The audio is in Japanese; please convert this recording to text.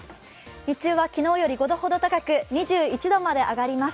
日中は昨日より５度ほど高く、２１度まで上がります。